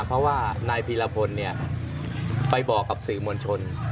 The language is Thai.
เพราะว่านายพีราพนธนาประกอบสือมวลชน